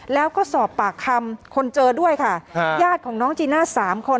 แล้วก็สอบปากคำคนเจอด้วยค่ะญาติของน้องจีน่าสามคน